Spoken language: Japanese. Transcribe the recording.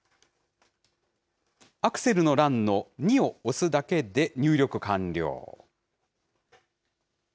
アクセルの欄の２を押すだけで、入力完了。